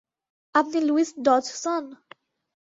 আপনি Lewis Dodgson?